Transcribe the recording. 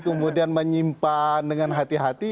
kemudian menyimpan dengan hati hati